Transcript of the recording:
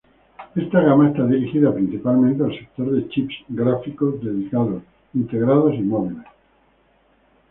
Esta gama está dirigida principalmente al sector de "chips" gráficos dedicados, integrados y móviles.